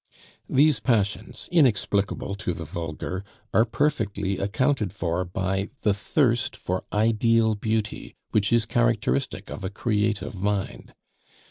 These passions, inexplicable to the vulgar, are perfectly accounted for by the thirst for ideal beauty, which is characteristic of a creative mind.